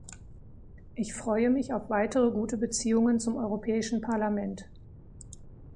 Ich freue mich auf weitere gute Beziehungen zum Europäischen Parlament.